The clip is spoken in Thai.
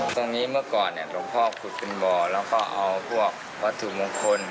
ตรงนี้เมื่อก่อนลงพ่อขุดบ่อแล้วก็เอาพวกวัตถุมงคล